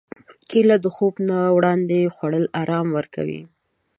کېله د خوب نه وړاندې خوړل ارام ورکوي.